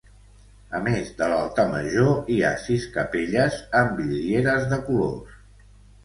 A més de l'altar major, hi ha sis capelles amb vidrieres de colors.